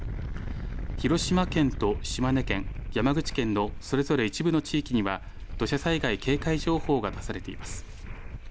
広島県と島根県、山口県のそれぞれ一部の地域には土砂災害警戒情報が出されています。